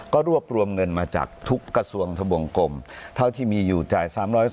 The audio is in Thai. ก็รวบรวมเงินมาจากทุกกระทรวงทะวงกลมเท่าที่มีอยู่จ่าย๓๐